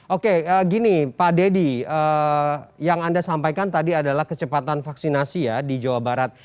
oke gini pak deddy yang anda sampaikan tadi adalah kecepatan vaksinasi ya di jawa barat